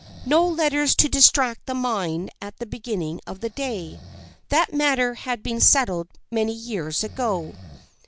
No letters to distract the mind at the beginning of the day. That matter had been settled many years ago.